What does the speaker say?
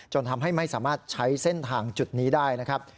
ทำให้ไม่สามารถใช้เส้นทางจุดนี้ได้นะครับ